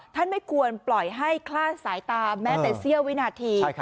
ไม่ควรปล่อยให้คลาดสายตาแม้แต่เสี้ยววินาที